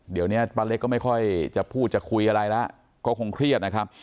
เดี๋ยวนี้ป้าเล็กก็ไม่ค่อยจะพูดจะคุยอะไรแล้วก็คงเครียดนะครับ